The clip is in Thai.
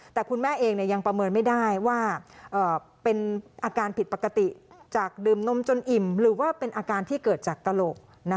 แต่คุณแม่เองยังประเมินไม่ได้ว่าเป็นอาการผิดปกติจากดื่มนมจนอิ่มหรือว่าเป็นอาการที่เกิดจากตลก